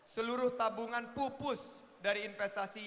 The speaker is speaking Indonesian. seluruh tabungan pupus dari investasi yang saya lakukan